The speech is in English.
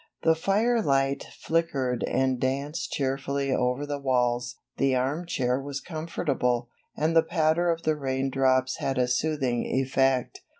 The firelight flickered and danced cheerfully over the walls, the armchair was comfortable, and the patter of the raindrops had a soothing effect.